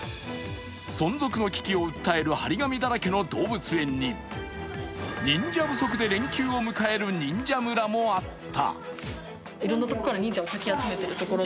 存続の危機を訴える貼り紙だらけの動物園に、忍者不足で連休を迎える忍者村もあった。